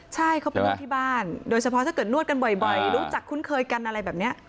ใช่เขาไปนวดที่บ้านโดยเฉพาะถ้าเกิดนวดกันบ่อยรู้จักคุ้นเคยกันอะไรแบบนี้